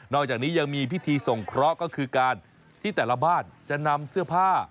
อกจากนี้ยังมีพิธีส่งเคราะห์ก็คือการที่แต่ละบ้านจะนำเสื้อผ้า